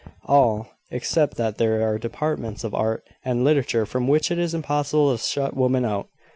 "All; except that there are departments of art and literature from which it is impossible to shut women out.